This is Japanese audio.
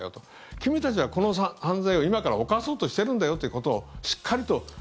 君たちはこの犯罪を今から犯そうとしているんだよということを、しっかりと。